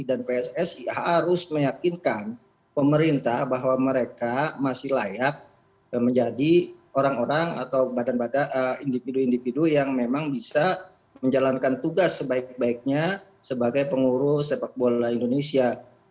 dan pssi harus meyakinkan pemerintah bahwa mereka masih layak menjadi orang orang atau individu individu yang memang bisa menjalankan tugas sebaik baiknya sebagai pengurus sepak bola indonesia